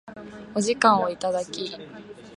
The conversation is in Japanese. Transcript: お時間をいただき